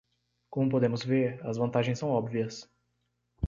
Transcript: Como podemos ver, as vantagens são óbvias.